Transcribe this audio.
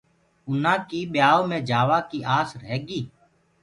اُنآ ڪي ٻيآئوُ مي جآوآ ڪيٚ آس رهيگي۔